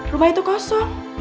rumah itu kosong